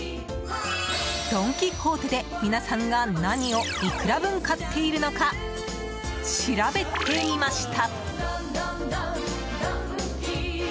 ドン・キホーテで、皆さんが何をいくら分買っているのか調べてみました！